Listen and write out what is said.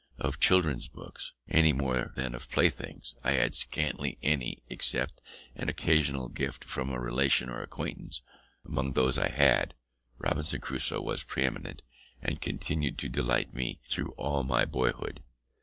Of children's books, any more than of playthings, I had scarcely any, except an occasional gift from a relation or acquaintance: among those I had, Robinson Crusoe was pre eminent, and continued to delight me through all my boyhood.